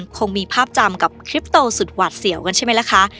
คงมีภาพจำกับคลิปโตสุดหวาดเสียวกันใช่ไหมล่ะคะ